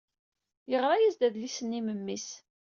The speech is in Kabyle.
Yeɣra-as-d adlis-nni i memmi-s.